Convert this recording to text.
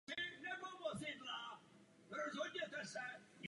Na Haiti také přišlo zhruba dvě stě tisíc lidí o střechu nad hlavou.